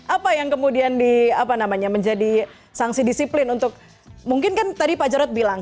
apa yang kemudian di apa namanya menjadi sanksi disiplin untuk mungkin kan tadi pak jarad bilang